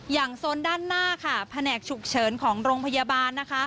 อย่างโซนด้านหน้าแผนกฉุกเฉินของโรงพยาบาล